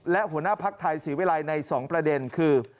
และหัวหน้าภักดิ์ไทยศรีวิรัยใน๒ประเด็นคือ